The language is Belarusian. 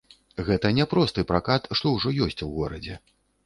Гэта не просты пракат, што ўжо ёсць у горадзе.